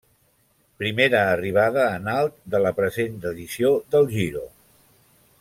Primera arribada en alt de la present edició del Giro.